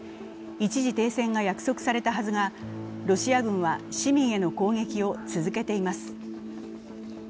一時停戦が約束されたはずがロシア軍は、市民への攻撃を続けています。